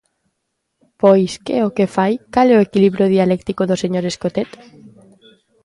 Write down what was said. Pois ¿que é o que fai?, ¿cal é o equilibrio dialéctico do señor Escotet?